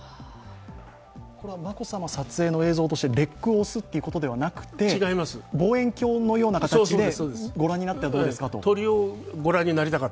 これは眞子さま撮影のときにレックを押すということではなくて望遠鏡のような形で御覧になったらどうですかと。